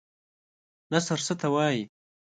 نثر څه ته وايي؟